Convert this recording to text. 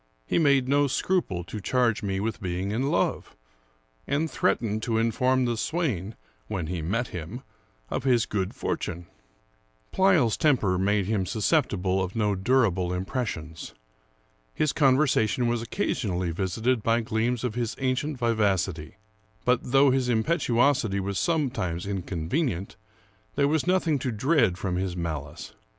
He made no scruple to charge me with being in love ; and threatened to inform the swain, when he met him, of his good fortune. Pleyel's temper made him susceptible of no durable im pressions. His conversation was occasionally visited by gleams of his ancient vivacity ; but, though his impetuosity was sometimes inconvenient, there was nothing to dread from his malice.